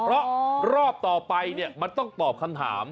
เพราะรอบต่อไปเนี่ยมันต้องตอบคำถาม